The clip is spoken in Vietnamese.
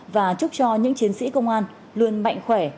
và chúc cho những chiến sĩ công an luôn mạnh khỏe